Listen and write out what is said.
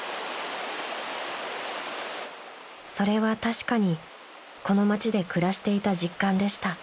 ［それは確かにこの町で暮らしていた実感でした］